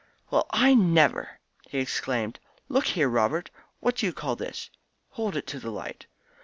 "Well, I never!" he exclaimed. "Look here, Robert; what do you call this?" "Hold it to the light.